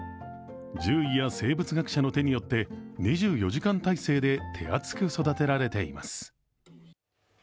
獣医や生物学者の手によって２４時間体制で手厚く育てられています。